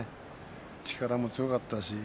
力も強かったし。